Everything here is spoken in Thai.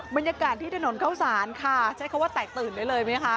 บรรยากาศที่ถนนเข้าสารค่ะใช้คำว่าแตกตื่นได้เลยไหมคะ